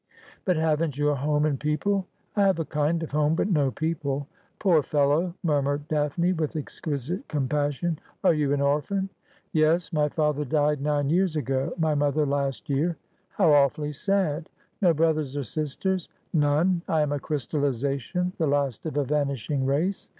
' But haven't you a home and people ?'' I have a kind of home, but no people.' ' Poor fellow !' murmured Daphne, with exquisite compassion. ' Are you an orphan ?' 16 Asphodel. ' Yes ; my father died nine years ago, my mother last year.' ' How awfully sad ! No brothers or sisters ?'' None. I am a crystallisation, the last of a vanishing race.